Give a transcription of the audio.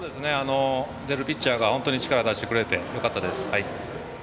出るピッチャーが本当に力を出してくれてよかったです。